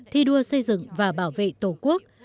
thi đua xây dựng và bảo vệ tổ quốc